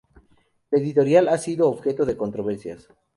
La editorial ha sido objeto de controversias.